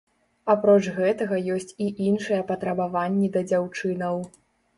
Апроч гэтага ёсць і іншыя патрабаванні да дзяўчынаў.